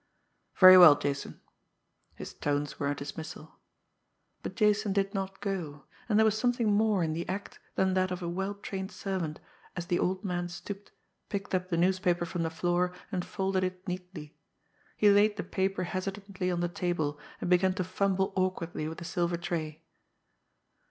"Very well, Jason." His tones were a dismissal. But Jason did not go; and there was something more in the act than that of a well trained servant as the old man stooped, picked up the newspaper from the floor, and folded it neatly. He laid the paper hesitantly on the table, and began to fumble awkwardly with the silver tray.